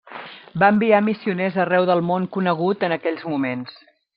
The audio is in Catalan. Va enviar missioners arreu del món conegut en aquells moments.